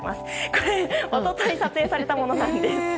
これ、一昨日撮影されたものなんです。